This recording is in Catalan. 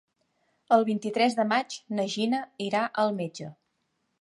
El vint-i-tres de maig na Gina irà al metge.